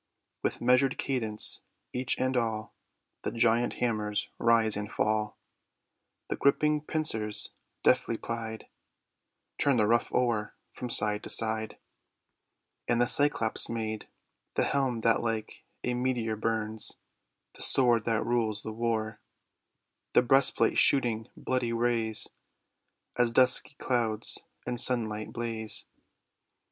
With measured cadence each and all The giant hammers rise and fall. The griping pincers, deftly plied, Turn tlie rough ore from side to side* And the Cyclops made: — The helm that like a meteor burns, The sword that rules the war, The breastplate shooting bloody rays9 As dusky clouds in sunlight blaze.